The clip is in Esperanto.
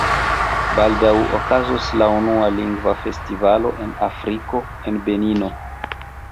Baldaŭ okazos la unua Lingva Festivalo en Afriko, en Benino.